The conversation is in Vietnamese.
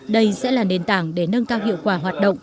đây sẽ là nền tảng để nâng cao hiệu quả hoạt động